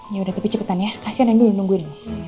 yaudah tapi cepetan ya kasihan randy udah nungguin